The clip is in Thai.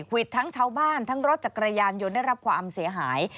วิดทั้งชาวบ้านทั้งรถจักรยานยนต์ได้รับความเสียหาย